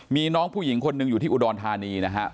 มีน้องผู้หญิงคนหนึ่งอยู่ที่อุดรธานีนะฮะ